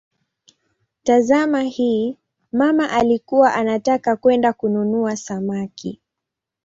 Tazama hii: "mama alikuwa anataka kwenda kununua samaki".